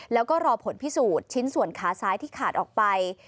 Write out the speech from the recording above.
แล้วก็รอผลพิสูจน์ชิ้นส่วนขาซ้ายที่ขาดออกไป